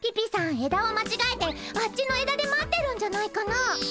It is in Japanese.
えだを間違えてあっちのえだで待ってるんじゃないかな？